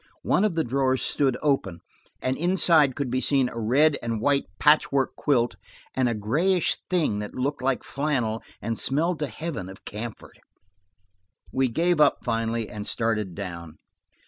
One of the drawers stood open, and inside could be seen a red and white patchwork quilt, and a grayish thing that looked like flannel and smelled to heaven of camphor. We gave up finally, and started down.